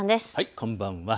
こんばんは。